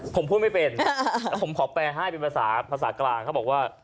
ผมพูดไม่เป็นแล้วผมขอแปลให้เป็นภาษาภาษากลางเขาบอกว่า